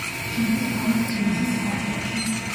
შედის ქალაქ თბილისის ფარგლებში.